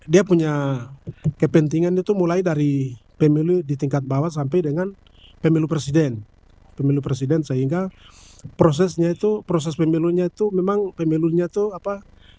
dia punya kepentingan itu mulai dari pemilu di tingkat bawah sampai dengan pemilu presiden pemilu presiden sehingga prosesnya itu proses pemilunya itu memang pemilunya itu apa